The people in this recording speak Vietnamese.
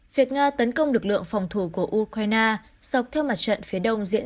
việc nga tấn công lực lượng phòng thủ của ukraine dọc theo mặt trận phía đông diễn